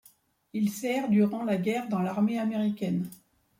Il sert durant la guerre dans l'armée américaine.